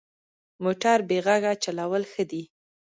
موټر بې غږه چلول ښه دي.